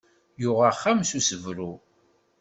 Yuɣ axxam s usebru.